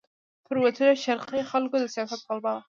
پر وتلیو شرقي خلکو د سیاست غلبه وه.